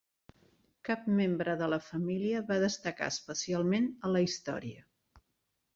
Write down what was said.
Cap membre de la família va destacar especialment a la història.